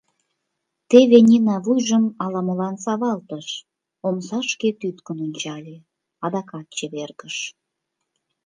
Теве Нина вуйжым ала-молан савалтыш, омсашке тӱткын ончале, адакат чевергыш.